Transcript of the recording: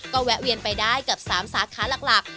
ก็แวะเวียนไปได้กับ๓สาขาหลัก